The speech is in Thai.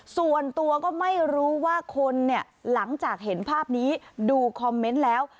ส่วนตัวก็ไม่รู้ว่าคนเนี่ยหลังจากเห็นภาพนี้ดูคอมเมนต์แล้ว